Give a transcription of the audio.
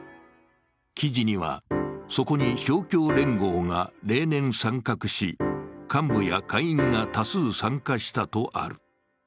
記事には、そこに勝共連合が例年参画し、幹部や会員が多数参加したとある。